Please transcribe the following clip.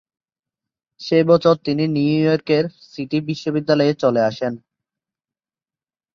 সে বছর তিনি নিউইয়র্কের সিটি বিশ্ববিদ্যালয়ে চলে আসেন।